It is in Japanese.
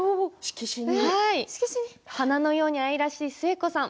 花のように愛らしい寿恵子さん